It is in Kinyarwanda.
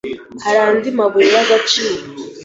hari andi mabuye y’agaciro